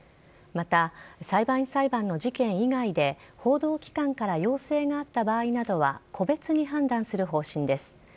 また、裁判員裁判の事件以外で報道機関から要請があった場合などは個別に判断する方針です。